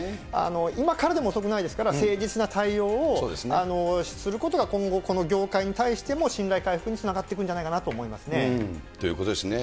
今からでも遅くないですから、誠実な対応をすることが今後、この業界に対しても信頼回復につながっていくんじゃないかなといということですね。